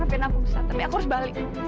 lepasin aku gustaf tapi aku harus balik